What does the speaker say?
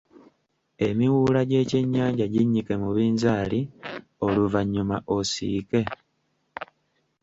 Emiwuula gy'ekyennyanja ginnyike mu binzaali oluvannyuma osiike.